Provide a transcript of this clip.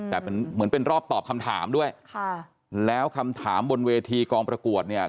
แต่เหมือนเป็นรอบตอบคำถามด้วยค่ะแล้วคำถามบนเวทีกองประกวดเนี่ย